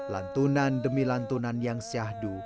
lantunan demi lantunan yang syahdu